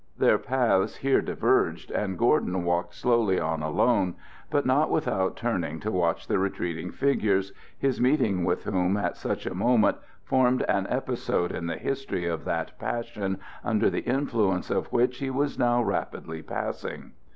Their paths here diverged, and Gordon walked slowly on alone, but not without turning to watch the retreating figures, his meeting with whom at such a moment formed an episode in the history of that passion under the influence of which he was now rapidly passing.